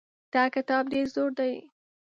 دا کتاب ډېر زوړ دی.